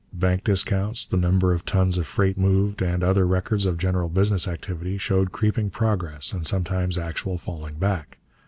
Bank discounts, the number of tons of freight moved, and other records of general business activity showed creeping progress and sometimes actual falling back.